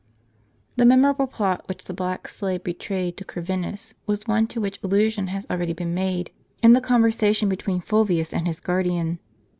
(HE memorable plot which the black slave betrayed to Corvinus, was one to which allu sion has already been made, in the conver sation between Fulvius and his guardian.